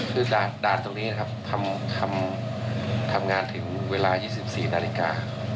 คือจากด่านตรงนี้นะครับทำงานถึงเวลา๒๔นาฬิกา